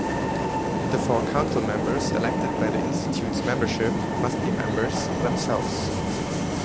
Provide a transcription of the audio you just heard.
The four Council members elected by the Institute's membership must be members themselves.